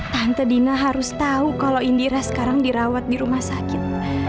tante dina harus tahu kalau indira sekarang dirawat di rumah sakit